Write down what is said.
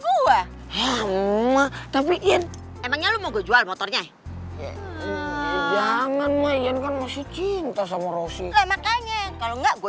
gua tapi emangnya lu mau jual motornya jangan main kan masih cinta sama rosi kalau enggak gue